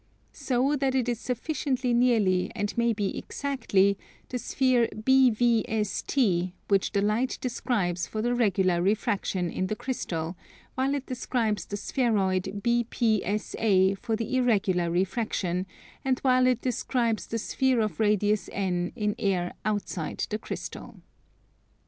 So that it is sufficiently nearly, and may be exactly, the sphere BVST, which the light describes for the regular refraction in the crystal, while it describes the spheroid BPSA for the irregular refraction, and while it describes the sphere of radius N in air outside the crystal.